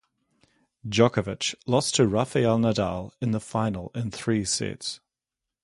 Djokovic lost to Rafael Nadal in the final in three sets.